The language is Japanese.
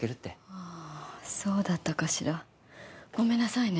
あぁそうだったかしら。ごめんなさいね。